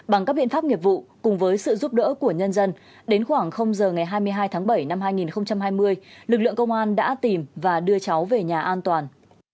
bằng các biện pháp nghiệp vụ cùng với sự giúp đỡ của nhân dân đến khoảng giờ ngày hai mươi hai tháng bảy năm hai nghìn hai mươi lực lượng công an đã tìm và đưa cháu về nhà an toàn